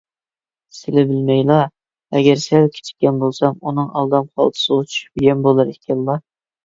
سىلى بىلمەيلا، ئەگەر سەل كېچىككەن بولسام، ئۇنىڭ ئالدام خالتىسىغا چۈشۈپ يەم بولار ئىكەنلا.